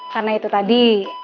karena itu tadi